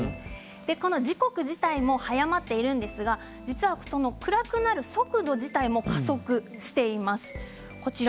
この時刻自体も早まっているんですが実は暗くなってくる速度も加速しています。